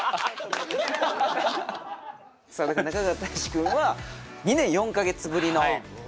さあ中川大志君は２年４か月ぶりの出演。